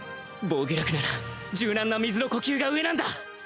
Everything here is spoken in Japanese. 防御力なら柔軟な水の呼吸が上なんだ